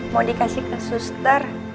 mau dikasih ke suster